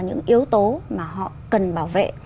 những yếu tố mà họ cần bảo vệ